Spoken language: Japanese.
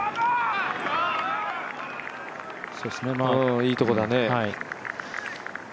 いいところだね。